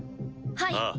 はい。